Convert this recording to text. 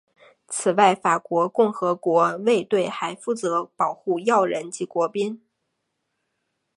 此外法国共和国卫队还负责保护要人及国宾。